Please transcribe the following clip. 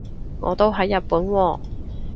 我都喺日本喎